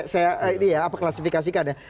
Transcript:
saya klasifikasikan ya